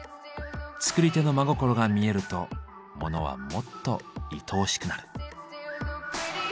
作り手の真心が見えるとモノはもっといとおしくなる。